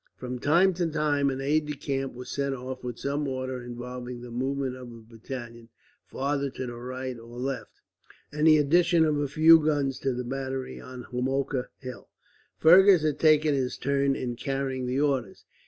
From time to time an aide de camp was sent off, with some order involving the movement of a battalion farther to the right or left, and the addition of a few guns to the battery on Homolka Hill. Fergus had taken his turn in carrying the orders.